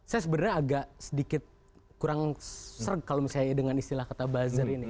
saya sebenarnya agak sedikit kurang serek kalau misalnya dengan istilah kata buzzer ini